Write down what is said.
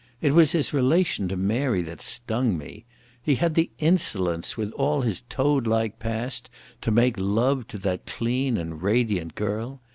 It was his relation to Mary that stung me. He had the insolence with all his toad like past to make love to that clean and radiant girl.